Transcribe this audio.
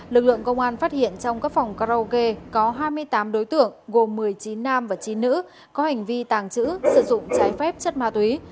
lực lượng công an phát hiện trong các phòng karaoke có hai mươi tám đối tượng gồm một mươi chín nam và chín nữ có hành vi tàng trữ sử dụng trái phép chất ma túy